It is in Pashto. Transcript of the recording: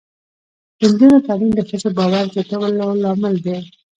د نجونو تعلیم د ښځو باور زیاتولو لامل دی.